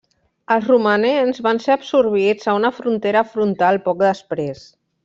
Els romanents van ser absorbits a una frontera frontal poc després.